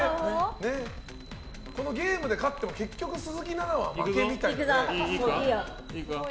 このゲームで勝っても結局、鈴木奈々は負けみたいなね。